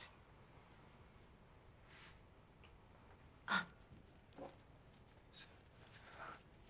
あっ。